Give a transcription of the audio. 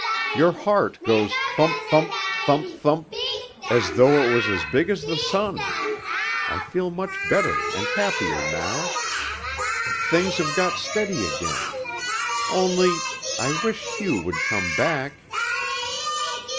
Your heart goes thump thump thump thump, as though it was as big as the sun.... I feel much better and happier now. Things have got steady again. Only I wish Hugh would come back."